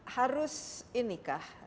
harus ini kah